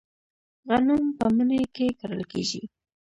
غنم په مني کې کرل کیږي.